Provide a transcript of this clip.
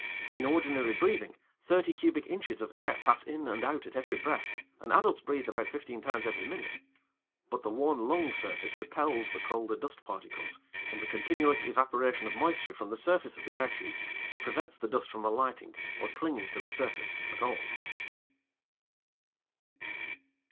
In ordinary breathing, 30 cubic inches of air pass in and out at every breath, and adults breathe about fifteen times every minute. But the warm lung surface repels the colder dust particles, and the continuous evaporation of moisture from the surface of the air tubes prevents the dust from alighting or clinging to the surface at all.